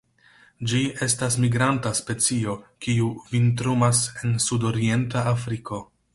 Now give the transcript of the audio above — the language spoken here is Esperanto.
Ĝi estas migranta specio, kiu vintrumas en sudorienta Afriko.